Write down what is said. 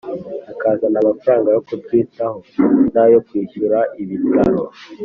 akazana amafaranga yo kutwitaho nayo kwishyura ibitaro"